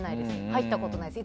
入ったことないです。